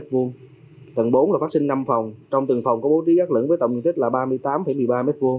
tầng bốn là phát sinh năm phòng trong từng phòng có bố trí gác lửng với tổng diện tích là ba mươi tám một mươi ba m hai